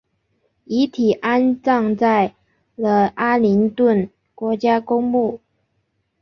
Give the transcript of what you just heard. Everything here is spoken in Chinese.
遗体安葬在了阿灵顿国家公墓